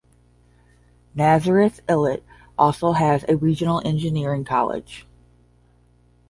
Nazareth Illit also has a regional engineering college.